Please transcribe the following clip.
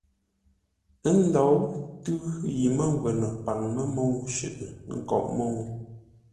Ə́ ndǒu tʉ̌ yi mə́ngwə́nə paŋ mə́ mə́u shʉʼʉ ńkóʼ mə́u.